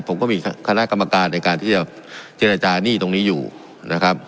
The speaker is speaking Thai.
ผมก็มีคณะกรรมการในการที่จะเจรจาหนี้ตรงนี้อยู่นะครับ